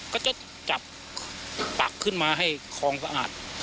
ก็จะจับมาของสะอาด